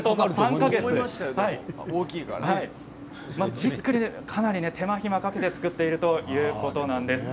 じっくり手間暇かけて作っているということなんです。